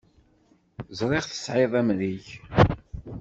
Ẓriɣ tesɛiḍ amrig.